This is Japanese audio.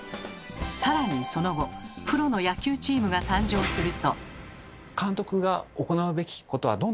更にその後プロの野球チームが誕生すると。